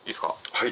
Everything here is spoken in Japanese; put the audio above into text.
はい。